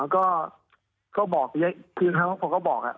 ก็บอกคือครั้งที่ผมก็บอก